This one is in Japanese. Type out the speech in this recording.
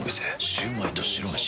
シュウマイと白めし。